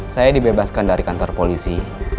saya dibebaskan dari kantor polisi